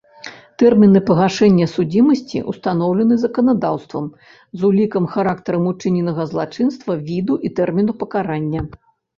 Тэрміны пагашэння судзімасці ўстаноўлены заканадаўствам з улікам характарам учыненага злачынства, віду і тэрміну пакарання.